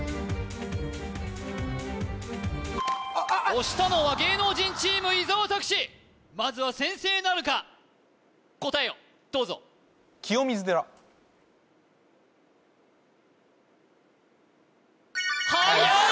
押したのは芸能人チーム伊沢拓司まずは先制なるか答えをどうぞはやい！